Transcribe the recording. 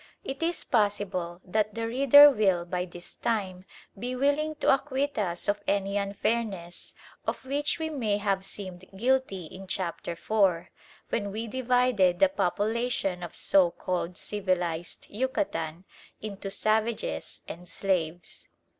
It is possible that the reader will by this time be willing to acquit us of any unfairness of which we may have seemed guilty in Chapter IV., when we divided the population of so called civilised Yucatan into "Savages" and "Slaves."